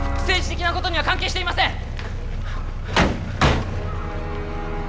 政治的なことには関係していません！